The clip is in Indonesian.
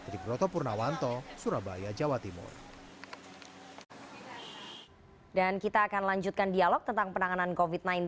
dan kita akan lanjutkan dialog tentang penanganan covid sembilan belas